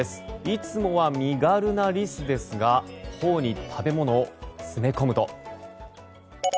いつもは身軽なリスですが頬に食べ物を詰め込むと。